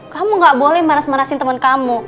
kamu ga boleh maras marasin temen kamu